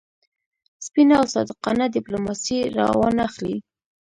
سپینه او صادقانه ډیپلوماسي را وانه خلي.